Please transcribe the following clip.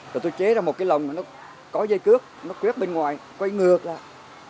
rồi tôi chế ra một cái lồng nó có dây cướp nó quét bên ngoài quay ngược lại